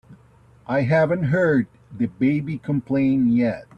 I haven't heard the baby complain yet.